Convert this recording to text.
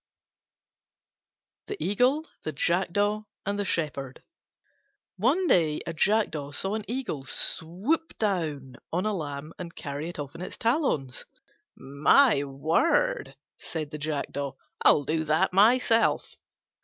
THE EAGLE, THE JACKDAW, AND THE SHEPHERD One day a Jackdaw saw an Eagle swoop down on a lamb and carry it off in its talons. "My word," said the Jackdaw, "I'll do that myself."